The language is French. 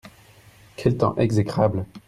Quel temps exécrable !